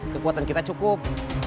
kekuatan kita cukup